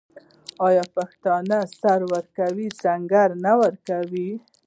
آیا پښتون سر ورکوي خو سنګر نه؟